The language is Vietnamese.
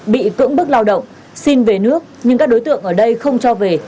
bị cưỡng bức lao động xin về nước nhưng các đối tượng ở đây không cho về